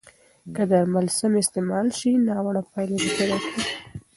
که درمل سم استعمال شي، ناوړه پایلې نه پیدا کېږي.